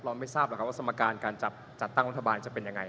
เราไม่ทราบว่าสัมการการจับจัดตั้งลมทบาลจะเป็นยังไง